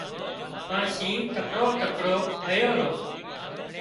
پڻ شِنهن تڪڙو تڪڙو آيو رو